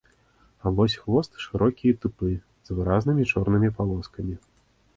А вось хвост шырокі і тупы, з выразнымі чорнымі палоскамі.